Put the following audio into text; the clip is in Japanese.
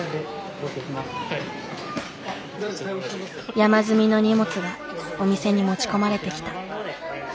山積みの荷物がお店に持ち込まれてきた。